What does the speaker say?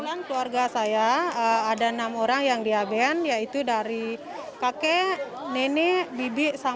keluarga saya ada enam orang yang di aben yaitu dari kakek nenek bibik dan sepupu